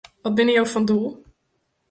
Wat binne jo fan doel?